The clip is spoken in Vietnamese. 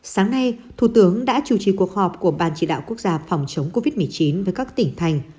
sáng nay thủ tướng đã chủ trì cuộc họp của ban chỉ đạo quốc gia phòng chống covid một mươi chín với các tỉnh thành